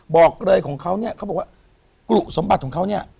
บอกเลยของเขาเนี่ยเขาบอกว่ากรุสมบัติของเขาเนี่ย